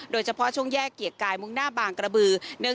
โดยเฉพาะช่วงแยกเกียรติกายมุ่งหน้าบางกระบือ